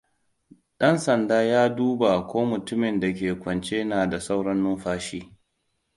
Ɗan sandan ya duba ko mutumin da ke kwance na da sauran numfashi.